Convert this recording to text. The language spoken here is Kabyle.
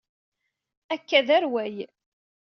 Akka d arway!